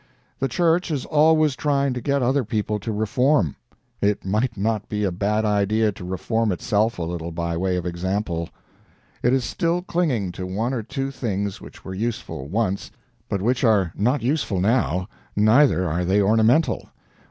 The church is always trying to get other people to reform; it might not be a bad idea to reform itself a little, by way of example. It is still clinging to one or two things which were useful once, but which are not useful now, neither are they ornamental.